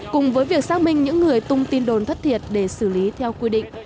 cùng với việc xác minh những người tung tin đồn thất thiệt để xử lý theo quy định